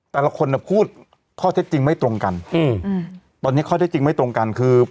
แต่ละคนน่ะพูดข้อเท็จจริงไม่ตรงกันอืมอืมตอนนี้ข้อเท็จจริงไม่ตรงกันคือ